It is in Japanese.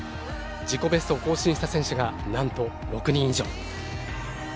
自己ベストを更新した選手がなんと６人以上。